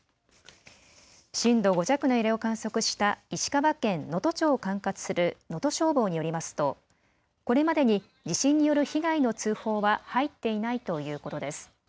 震度５弱の揺れを観測した石川県能登町を管轄する能登消防によりますとこれまでに地震による被害の通報は入っていないということです。